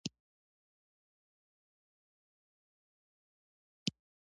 بوډا تندی ترېو شو.